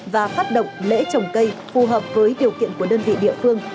và phát động lễ trồng cây phù hợp với điều kiện của đơn vị địa phương